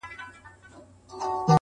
سړیتوب په ښو اوصافو حاصلېږي-